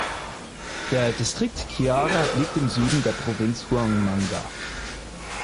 Der Distrikt Chiara liegt im Süden der Provinz Huamanga.